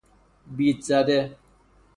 بیدزده